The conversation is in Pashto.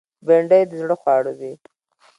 بېنډۍ د زړه خواړه دي